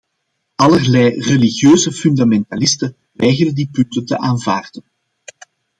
Allerlei religieuze fundamentalisten weigeren die punten te aanvaarden.